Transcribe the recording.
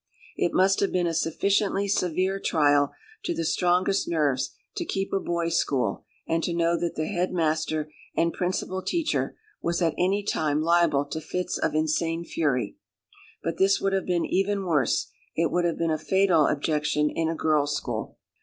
It must have been a sufficiently severe trial to the strongest nerves to keep a boys' school, and to know that the head master and principal teacher was at any time liable to fits of insane fury; but this would have been even worse, it would have been a fatal objection, in a girls' school.